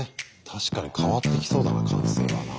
確かに変わってきそうだな完成はな。